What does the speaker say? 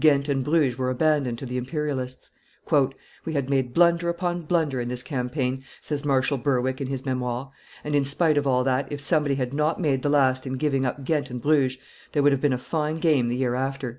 Ghent and Bruges were abandoned to the imperialists. "We had made blunder upon blunder in this campaign," says Marshal Berwick, in his Memoires, "and, in spite of all that if somebody had not made the last in giving up Ghent and Bruges, there would have been a fine game the year after."